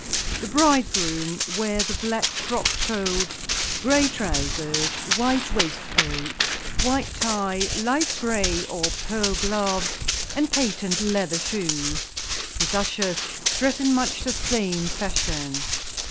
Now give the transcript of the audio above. The bridegroom wears a black frock coat, gray trousers, white waistcoat, white tie, light gray or pearl gloves and patent leather shoes. His ushers dress in much the same fashion.